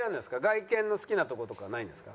外見の好きなとことかはないんですか？